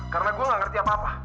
karena gue gak ngerti apa apa